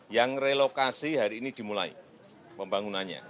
yang relokasi hari ini dimulai pembangunannya